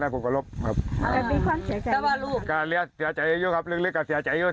ก็เหลือเสียใจอยู่ครับเรื่องเล็กก็เสียใจอยู่